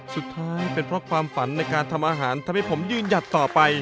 สุดท้ายเป็นเพราะความฝันในการทำอาหารทำให้ผมยืนหยัดต่อไป